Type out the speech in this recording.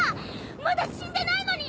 まだ死んでないのに！